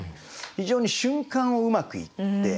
非常に瞬間をうまく言って。